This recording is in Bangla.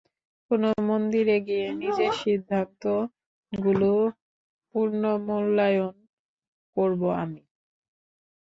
কোনো মন্দিরে গিয়ে নিজের সিদ্ধান্তগুলো পুনর্মূল্যায়ন করবো আমি।